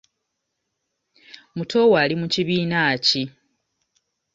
Muto wo ali mu kibiina ki?